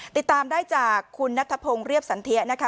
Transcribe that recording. ติดตามได้จากคุณนัทพงศ์เรียบสันเทียนะคะ